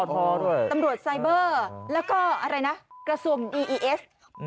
ตำรวจไซเบอร์แล้วกระทอมอีเอเอส